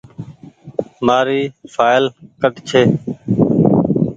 مآريِ ڦآئل ڪٺ ڇي۔